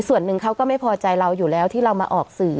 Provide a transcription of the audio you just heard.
ส่วนหนึ่งเขาก็ไม่พอใจเราอยู่แล้วที่เรามาออกสื่อ